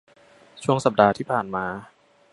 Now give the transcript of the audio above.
ช่วงสัปดาห์ที่ผ่านมา